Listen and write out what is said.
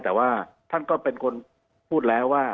แต่ว่าท่านก็เป็นคนพูดแล้วว่า